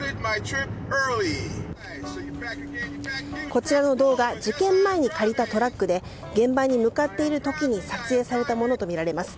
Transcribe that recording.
こちらの動画事件前に借りたトラックで現場に向かっている時に撮影されたものとみられます。